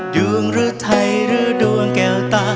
ดวงหรือไทยหรือดวงแก่วตา